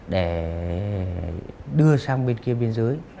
để đưa sang bên kia biên giới